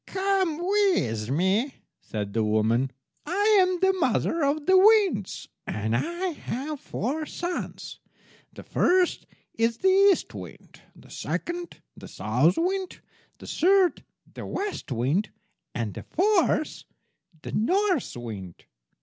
"Come with me," said the woman. "I am the mother of the winds, and I have four sons. The first is the East wind, the second the South wind, the third the West wind, and the fourth the North wind.